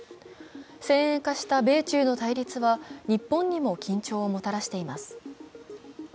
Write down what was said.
先鋭化した米中の対立は日本にも緊張をもたらしています。